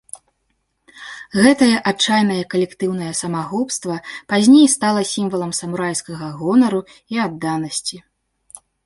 Гэтае адчайнае калектыўнае самагубства пазней стала сімвалам самурайскага гонару і адданасці.